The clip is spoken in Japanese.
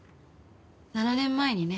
７年前にね